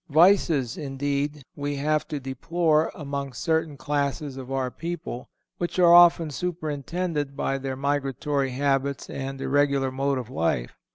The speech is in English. Vices, indeed, we have to deplore among certain classes of our people, which are often superinduced by their migratory habits and irregular mode of life.